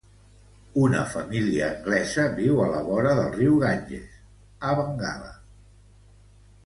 Una família anglesa viu a la vora del riu Ganges, a Bengala.